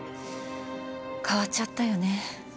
変わっちゃったよね